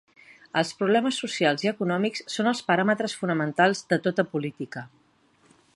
Els problemes socials i econòmics són els paràmetres fonamentals de tota política.